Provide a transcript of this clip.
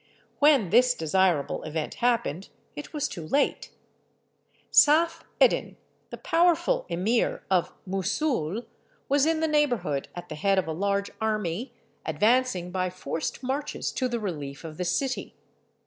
When this desirable event happened, it was too late. Saph Eddin, the powerful emir of Mousoul, was in the neighbourhood, at the head of a large army, advancing by forced marches to the relief of the city.